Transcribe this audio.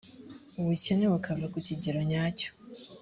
ubukene bukava ku kigero nyacyo.